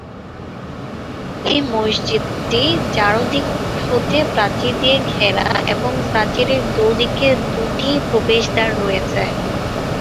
এই মসজিদটি চারদিক হতে প্রাচীর দিয়ে ঘেরা এবং প্রাচীরের দু’দিকে দু’টি প্রবেশদ্বার রয়েছে।